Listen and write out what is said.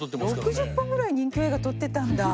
６０本ぐらい任侠映画撮ってたんだ。